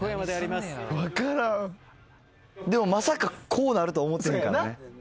でもまさかこうなるとは思ってへんからね。